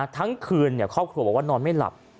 ทั้งคืนครอบครัวบอกว่านอนไม่หลับ